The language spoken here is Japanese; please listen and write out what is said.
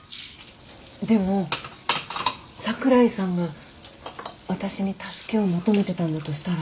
でも櫻井さんが私に助けを求めてたんだとしたら？